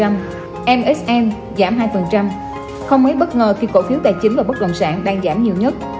msm giảm hai không mấy bất ngờ khi cổ phiếu tài chính và bất động sản đang giảm nhiều nhất